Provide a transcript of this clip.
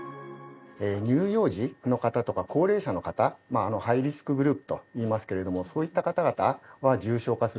乳幼児の方とか高齢者の方ハイリスクグループと言いますけれどもそういった方々は重症化する恐れがあると。